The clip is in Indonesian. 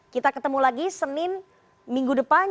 kita ketemu lagi senin minggu depan